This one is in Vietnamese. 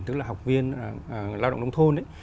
tức là học viên lao động nông thôn ấy